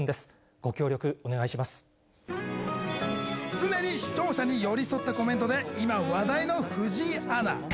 常に視聴者に寄り添ったコメントで今話題の藤井アナ。